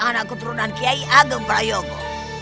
anak keturunan kiai ageng prayogo